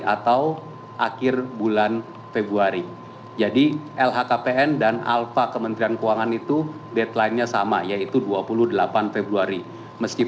meskipun untuk lhkpn lhkpn dan alpha kementerian keuangan itu deadline nya sama yaitu dua puluh delapan februari